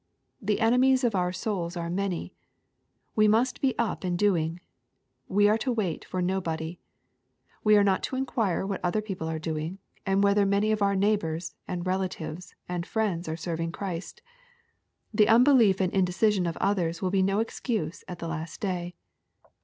The enemies of our souls are many. We must be up and doing. We are to wait for nobody. We are not to inquire what other people are doing, and whether many of our neighbors, and relatives, and friends are serving Christ. The unbelief and indecision of others will be no excuse at the last day.